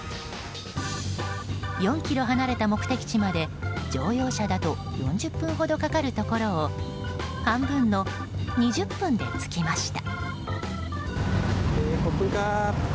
４ｋｍ離れた目的地まで乗用車だと４０分ほどかかるところを半分の２０分で着きました。